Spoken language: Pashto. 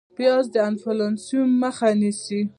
پیاز د انفلاسیون مخه نیسي